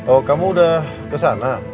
oh kamu udah kesana